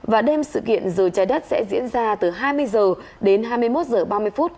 và đêm sự kiện giờ trái đất sẽ diễn ra từ hai mươi h đến hai mươi một h ba mươi phút